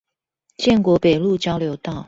建國北路交流道